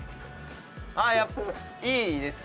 あっいいですね。